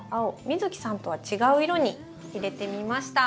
美月さんとは違う色に入れてみました。